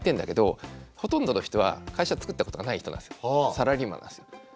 サラリーマンなんですよ。